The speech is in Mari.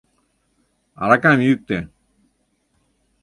«Аракам йӱктӧ»!